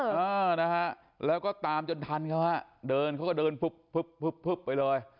อ้าวนะฮะแล้วก็ตามจนทันเขาฮะเดินเขาก็เดินพึบไปเลย